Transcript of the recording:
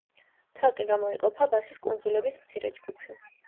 ცალკე გამოიყოფა ბასის კუნძულების მცირე ჯგუფი.